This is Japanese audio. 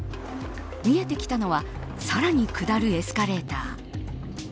見えてきたのはさらに下るエスカレーター。